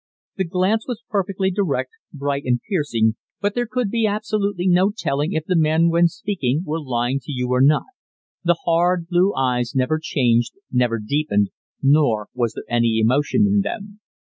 The glance was perfectly direct, bright and piercing, but there could be absolutely no telling if the man when speaking were lying to you or not. The hard, blue eyes never changed, never deepened, nor was there any emotion in them.